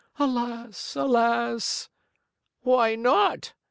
Alas! Alas!" "Why not?"